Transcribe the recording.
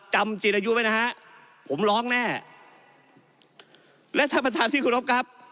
จินอายุไหมนะฮะผมร้องแน่และถ้าประธานที่คุณครอบครับ